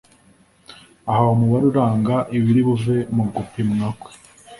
ahawe umubare uranga ibiribuve mu gupimwa kwe.